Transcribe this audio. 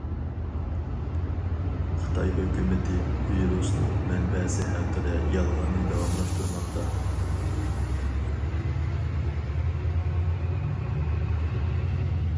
خىتاي ھۆكۈمىتى ۋىرۇسنىڭ مەنبەسى ھەققىدە يالغاننى داۋاملاشتۇرماقتا.